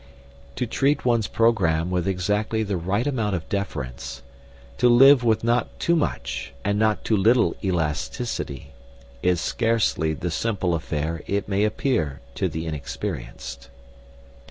To treat one's programme with exactly the right amount of deference, to live with not too much and not too little elasticity, is scarcely the simple affair it may appear to the inexperienced.